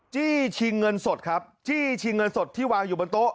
จี้ชิงเงินสดครับจี้ชิงเงินสดที่วางอยู่บนโต๊ะ